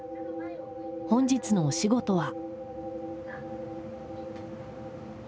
本日のお仕事は？